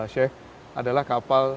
syeikh adalah kapal